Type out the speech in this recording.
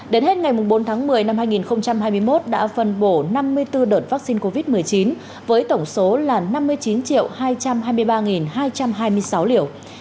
đến hết ngày bốn tháng một mươi năm hai nghìn hai mươi một đã phân bổ năm mươi bốn đợt vaccine covid một mươi chín với tổng số là năm mươi chín hai trăm hai mươi ba hai trăm hai mươi sáu liều